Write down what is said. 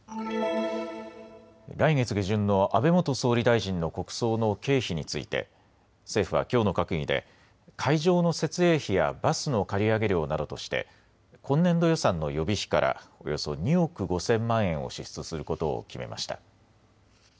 来月下旬の安倍元総理大臣の国葬の経費について政府はきょうの閣議で会場の設営費やバスの借り上げ料などとして今年度予算の予備費からおよそ２億５０００万円を支出することを決めました。